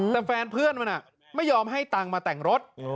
แต่แฟนเพื่อนมันไม่ยอมให้ตังค์มาแต่งรถ